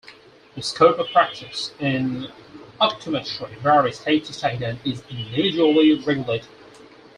The scope of practice in optometry varies state to state and is individually regulated.